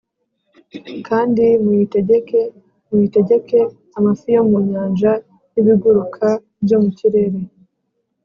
kandi muyitegeke, mutegeke amafi yo mu nyanja n’ibiguruka byo mu kirere